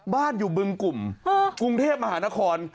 บ้านอยู่บึงกลุ่มกรุงเทพมหานคร